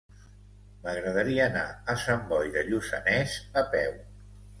M'agradaria anar a Sant Boi de Lluçanès a peu.